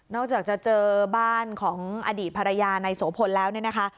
อกจากจะเจอบ้านของอดีตภรรยานายโสพลแล้วเนี่ยนะคะ